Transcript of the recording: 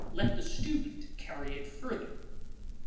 Let the student carry it further.